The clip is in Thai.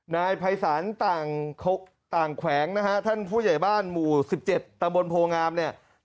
นายภัยศาลต่างแขวงนะฮะท่านผู้ใหญ่บ้านหมู่๑๗ตำบลโพงามเนี่ย